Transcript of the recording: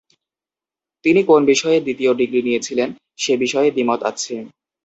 তিনি কোন বিষয়ে দ্বিতীয় ডিগ্রী নিয়েছিলেন সেবিষয়ে দ্বিমত আছে।